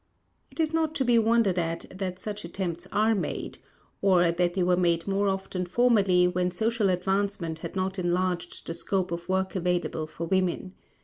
It is not to be wondered at that such attempts are made; or that they were made more often formerly when social advancement had not enlarged the scope of work available for women.